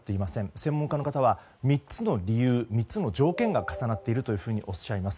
専門家の方は３つの理由、条件が重なっているとおっしゃいます。